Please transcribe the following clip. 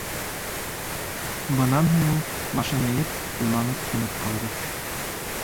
Бынан һуң ул, башын эйеп, уйланып тынып ҡалды.